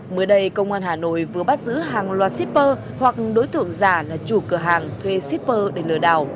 mới đây công an hà nội vừa bắt giữ hàng loạt shipper hoặc đối tượng giả là chủ cửa hàng thuê shipper để lừa đảo